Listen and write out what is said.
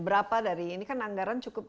berapa dari ini kan anggaran cukup